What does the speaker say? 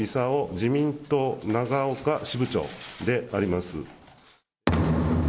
自民党長岡支部長であります。